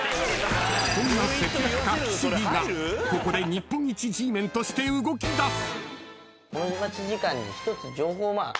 ［そんな節約家岸Ｄがここで日本一Ｇメンとして動きだす］